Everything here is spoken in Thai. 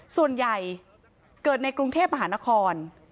ส่วนใหญ่เกิดในกรุงเทพมหานคร